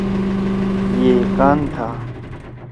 ئے کان تھا۔